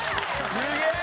すげえ！